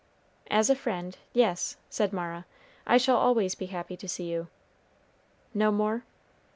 "As a friend yes," said Mara; "I shall always be happy to see you." "No more?"